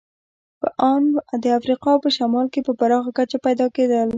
په ان د افریقا په شمال کې په پراخه کچه پیدا کېدل.